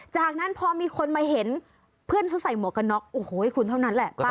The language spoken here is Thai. จากนั้นพอมีคนมาเห็นเพื่อนเขาใส่หมวกกันน็อกโอ้โหให้คุณเท่านั้นแหละป้า